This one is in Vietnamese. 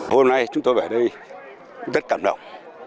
hôm nay chúng tôi ở đây rất cảm động